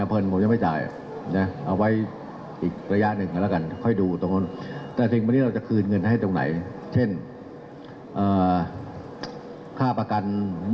เพราะฉะนั้นผมยังไม่จ่าย